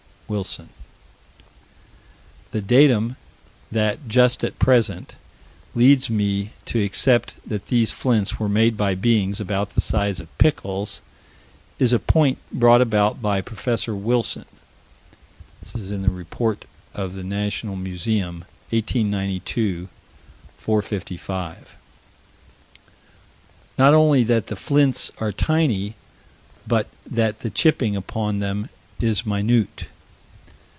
(Wilson.) The datum that, just at present, leads me to accept that these flints were made by beings about the size of pickles, is a point brought out by Prof. Wilson (Rept. National Museum, 1892 455): Not only that the flints are tiny but that the chipping upon them is "minute."